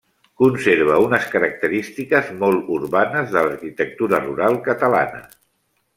Conserva unes característiques molt urbanes de l'arquitectura rural catalana.